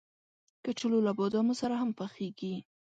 کچالو له بادامو سره هم پخېږي